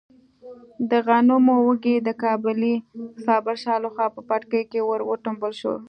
د غنمو وږی د کابلي صابر شاه لخوا په پټکي کې ور وټومبل شو.